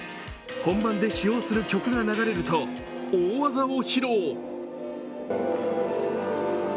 本番で使用する曲が流れると大技を披露。